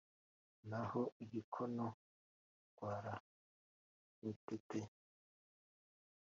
naho igikona gitwara urutete.